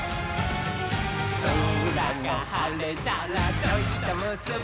「そらがはれたらちょいとむすび」